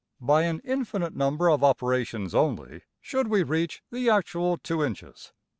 By an infinite number of operations only should we reach the actual $2$~inches.